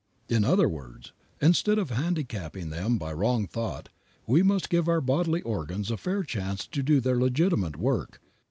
In other words, instead of handicapping them by wrong thought, we must give our bodily organs a fair chance to do their legitimate work.